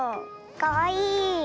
かわいい。